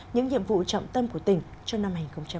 những nhiệm vụ trọng tâm của tỉnh cho năm hai nghìn hai mươi